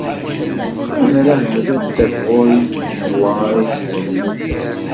Ammer ahat ad taf ɣur yiḍ ddwa ara iṣebbren ul-is.